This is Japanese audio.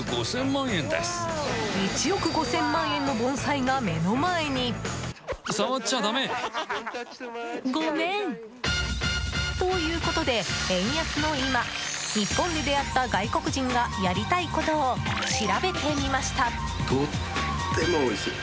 １億５０００万円の盆栽が目の前に。ということで、円安の今日本で出会った外国人がやりたいことを調べてみました。